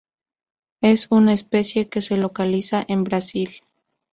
Es una especie que se localiza en Brasil.